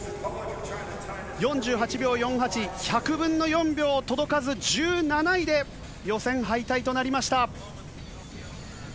４８秒４８、１００分の４秒届かず、１７位で予選敗退となりました。